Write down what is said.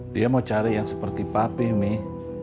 dia mau cari yang seperti papi mih